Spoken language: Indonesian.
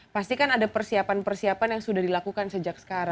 pastikan ada persiapan persiapan yang sudah dilakukan sejak sekarang